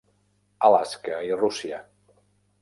Alaska i Rússia.